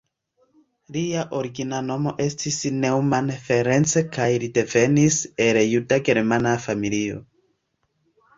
Lia origina nomo estis Neumann Ferenc kaj li devenis el juda-germana familio.